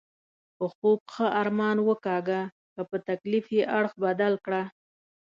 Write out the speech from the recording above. په خوب ښه ارمان وکاږه، که په تکلیف یې اړخ بدل کړه.